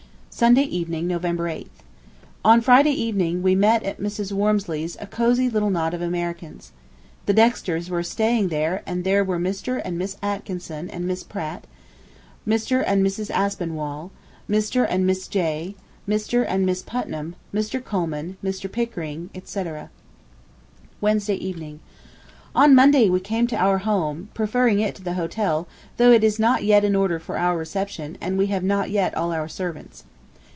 Sunday Evening, November 8th. On Friday evening we met at Mrs. Wormeley's a cosy little knot of Americans. The Dexters were staying there and there were Mr. and Mrs. Atkinson and Miss Pratt, Mr. and Mrs. Aspinwall, Mr. and Miss Jay, Mr. and Mrs. Putnam, Mr. Colman, Mr. Pickering, etc. Wednesday Evening. On Monday we came to our home, preferring it to the hotel, though it is not yet in order for our reception, and we have not yet all our servants.